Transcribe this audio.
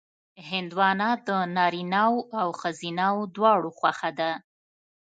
هندوانه د نارینهوو او ښځینهوو دواړو خوښه ده.